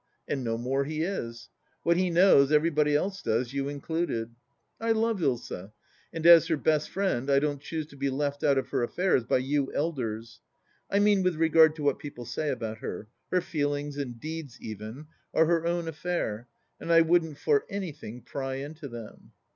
And no more he is. What he knows everybody does, you included. I love Ilsa, and as her best friend I don't choose to be left out of her affairs by you elders. I mean with regard to what people say about her ; her feelings, and deeds even, are her ov/n affair, and I wouldn't for anything pry into them.